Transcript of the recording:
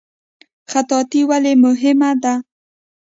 خطاطي ولې مهمه ده؟